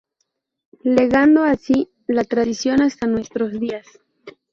Legando así la tradición hasta nuestros días.